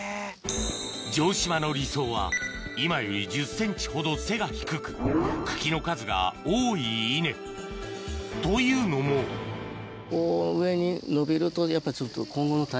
城島の理想は今より１０ｃｍほど背が低く茎の数が多い稲というのもこう上に伸びるとやっぱちょっと。